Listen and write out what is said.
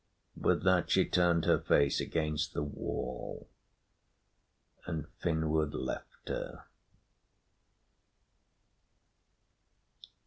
With that she turned her face against the wall and Finnward left her.